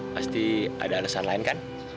pasti ada alasan lain kan